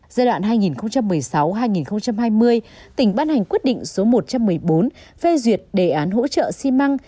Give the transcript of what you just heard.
giai đoạn hai nghìn một mươi sáu hai nghìn hai mươi tỉnh ban hành quyết định số một trăm một mươi bốn phê duyệt đề án hỗ trợ xi măng